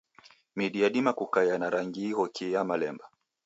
Midi yadima kukaia na rangi ighokie ya malemba.